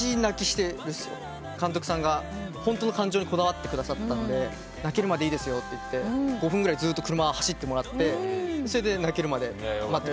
監督さんがホントの感情にこだわってくださってたので泣けるまでいいですよって５分ぐらいずっと車走ってもらってそれで泣けるまで待ってくださって。